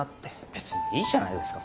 別にいいじゃないですか